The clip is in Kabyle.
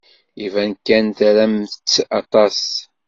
Iban kan tramt-tt aṭas.